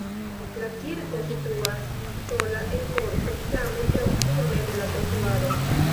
La kirko situas sola en korto, tamen proksime de la trotuaro.